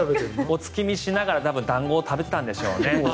お月見しながら団子を食べていたんでしょうね。